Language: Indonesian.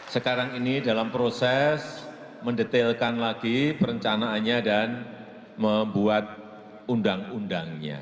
sekarang ini dalam proses mendetailkan lagi perencanaannya dan membuat undang undangnya